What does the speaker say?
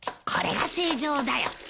これが正常だよ。